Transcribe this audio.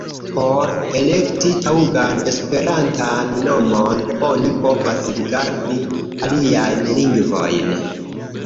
Por elekti taŭgan esperantan nomon, oni povas rigardi aliajn lingvojn.